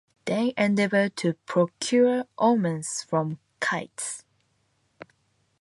They endeavor to procure omens from kites.